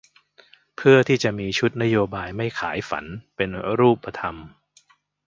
เพื่อที่จะมีชุดนโยบายไม่ขายฝัน เป็นรูปธรรม